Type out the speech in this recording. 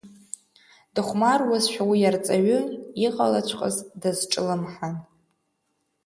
Дыхәмаруазшәа уи арҵаҩы иҟалаҵәҟьаз дазҿлымҳан.